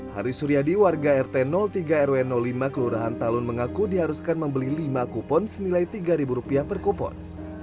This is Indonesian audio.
hari suryadi warga rt tiga rw lima kelurahan talun mengaku diharuskan membeli lima kupon senilai rp tiga per kupon